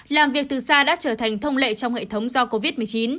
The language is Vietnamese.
làm việc từ xa đã trở thành thông lệ trong hệ thống do covid một mươi chín